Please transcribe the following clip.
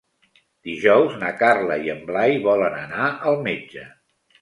Dijous na Carla i en Blai volen anar al metge.